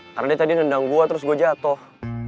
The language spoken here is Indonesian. karena dia tadi nendang gue terus gue jatoh